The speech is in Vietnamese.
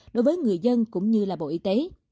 đối với người dân cũng như là bộ y tế